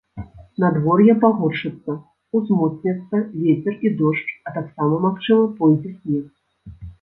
Надвор'е пагоршыцца, узмоцняцца вецер і дождж, а таксама, магчыма, пойдзе снег.